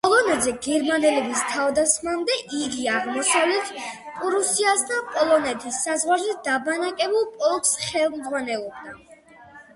პოლონეთზე გერმანელების თავდასხმამდე იგი აღმოსავლეთ პრუსიასთან პოლონეთის საზღვარზე დაბანაკებულ პოლკს ხელმძღვანელობდა.